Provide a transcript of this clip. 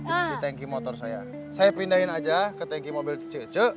saya pindahin aja ke tanki motor saya saya pindahin aja ke tanki mobil cu